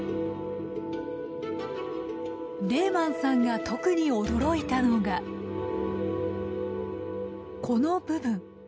レーマンさんが特に驚いたのがこの部分。